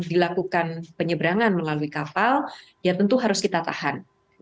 dilakukan penyeberangan melalui kapal ya tentu harus kita tahan